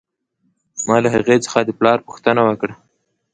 ما له هغې څخه د پلار پوښتنه وکړه